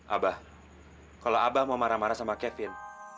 abah kalau abah mau marah marah sama kevin